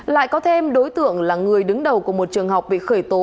lại có thêm đối tượng là người đứng đầu của một trường học bị khởi tố